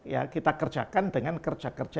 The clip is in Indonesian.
ya kita kerjakan dengan kerja kerja